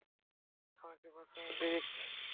আমাকে বাঁচাও, রিক!